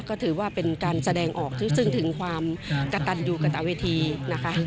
ก็ถือว่าเป็นการแสดงออกซึ่งถึงความกระตันอยู่กระตาเวทีนะคะ